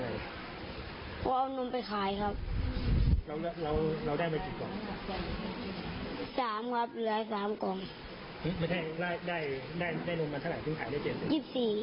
แล้วขายไป๒๑